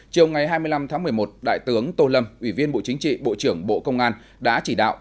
chiều ngày hai mươi năm tháng một mươi một đại tướng tô lâm ủy viên bộ chính trị bộ trưởng bộ công an đã chỉ đạo